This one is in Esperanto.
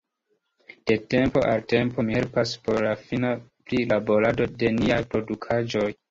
De tempo al tempo mi helpas por la fina prilaborado de niaj produktaĵoj.